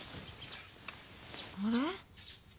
あれ？